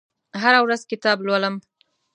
هره ورځ کتاب لولم